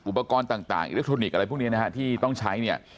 อุปกรณ์ต่างอิเล็กทรอนิกส์อะไรพวกนี้นะฮะที่ต้องใช้เนี่ย